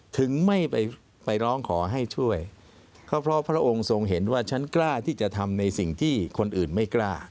ถึงไม่ไปร้องขอให้ช่วยก็เพราะพระองค์ทรงเห็นว่าฉันกล้าที่จะทำในสิ่งที่คนอื่นไม่กล้า